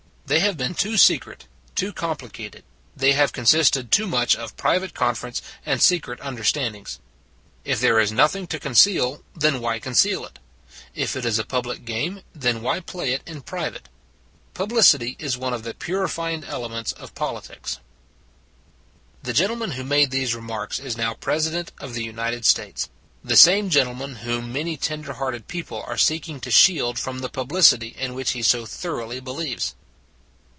They have been too secret, too complicated: they have consisted too much of private conference and secret under standings. If there is nothing to conceal, then why conceal it ? If it is a public game, then why play it in private ? Publicity is one of the purify ing elements of politics. The gentleman who made these remarks is now President of the United States the same gentleman whom many tender hearted people are seeking to shield from the publicity in which he so thoroughly believes.